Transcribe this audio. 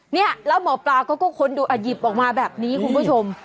เนี่ยแล้วหมอปลาก็ค้นดูอ่ะหยิบออกมาแบบนี้คุณผู้ชม